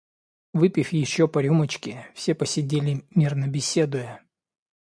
Выпив еще по рюмочке, все посидели, мирно беседуя.